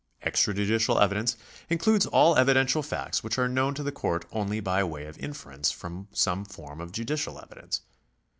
Extrajudicial evidence includes all evidential facts which are known to the court only by way of inference from some form of judicial evidence.